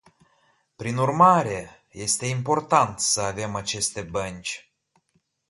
Prin urmare, este important să avem aceste bănci.